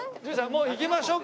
もう行きましょうか。